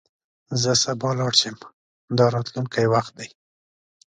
زه به سبا لاړ شم – دا راتلونکی وخت دی.